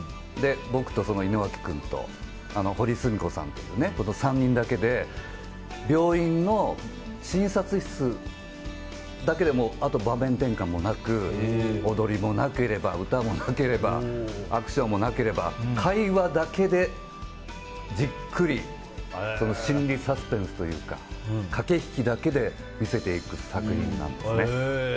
僕と井之脇君とほりすみこさんっていう３人だけで、病院の診察室だけであとは場面転換もなく踊りもなければ歌もなければアクションもなければ会話だけでじっくり心理サスペンスというか駆け引きだけで見せていく作品なんですね。